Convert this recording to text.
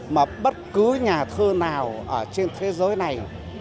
mà bất cứ nhà thơ nào ở trên thế giới này